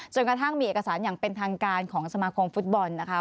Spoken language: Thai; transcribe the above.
กระทั่งมีเอกสารอย่างเป็นทางการของสมาคมฟุตบอลนะคะ